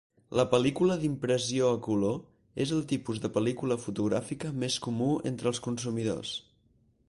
La pel·lícula d'impressió a color és el tipus de pel·lícula fotogràfica més comú entre els consumidors.